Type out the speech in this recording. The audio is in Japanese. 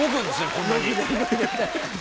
こんなに。